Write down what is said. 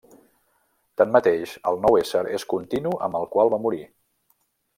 Tanmateix, el nou ésser és continu amb el qual va morir.